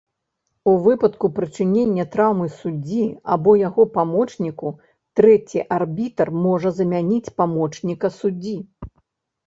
У выпадку прычынення траўмы суддзі або яго памочніку, трэці арбітр можа замяніць памочніка суддзі.